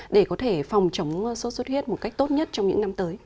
để có thể phòng chống sốt xuất huyết một cách tốt nhất trong những năm tới